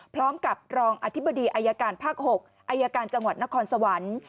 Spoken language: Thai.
พร้อมกับรองอธิบดีอายการภาค๖อายการจังหวัดนครสวรรค์